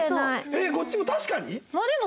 えっこっちも「確かに」？まあでも。